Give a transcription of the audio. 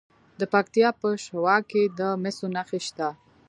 د پکتیا په شواک کې د مسو نښې شته.